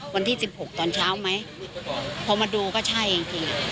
วันที่สิบหกตอนเช้าไหมพอมาดูก็ใช่จริง